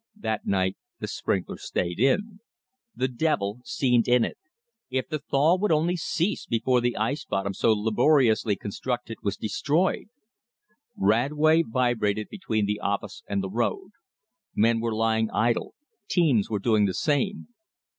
That night the sprinklers stayed in. The devil seemed in it. If the thaw would only cease before the ice bottom so laboriously constructed was destroyed! Radway vibrated between the office and the road. Men were lying idle; teams were doing the same.